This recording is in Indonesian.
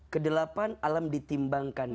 kedelapan alam ditimbangkan